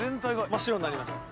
真っ白になりました。